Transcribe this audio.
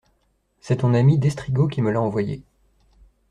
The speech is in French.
C'est ton ami d'Estrigaud qui me l'a envoyé.